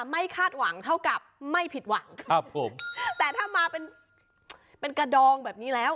คาดหวังเท่ากับไม่ผิดหวังครับผมแต่ถ้ามาเป็นเป็นกระดองแบบนี้แล้ว